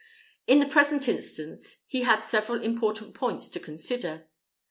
In the present instance he had several important points to consider.